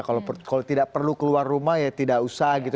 kalau tidak perlu keluar rumah ya tidak usah gitu